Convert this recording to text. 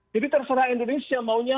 jadi terserah indonesia maunya